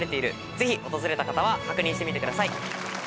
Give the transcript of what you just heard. ぜひ訪れた方は確認してみてください。